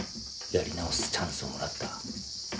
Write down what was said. やり直すチャンスをもらった